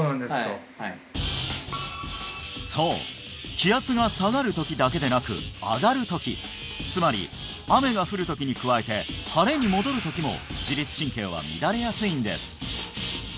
はいはいそう気圧が下がる時だけでなく上がる時つまり雨が降る時に加えて晴れに戻る時も自律神経は乱れやすいんです